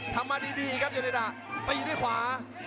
ทำมาดีครับเยอร์เนด่าไปด้วยขวา